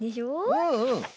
うんうん。